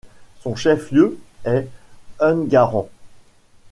Son chef-lieu est Ungaran.